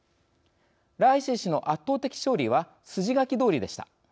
ライシ師の圧倒的勝利は筋書きどおりでした。